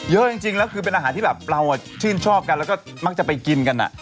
เยอะจริงแล้วคือเป็นอาหารที่แบบเราชื่นชอบกันแล้วก็มักจะไปกินกัน